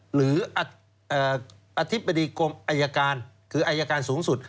หรืออธิบดีกรมอายการคืออายการสูงสุด